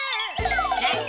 えっ？